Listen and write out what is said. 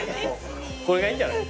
これがいいんじゃない？